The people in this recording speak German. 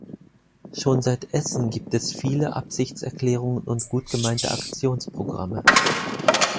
Schon seit Essen gibt es viele Absichtserklärungen und gutgemeinte Aktionsprogramme.